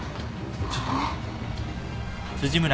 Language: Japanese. ちょっと。